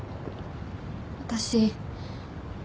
私。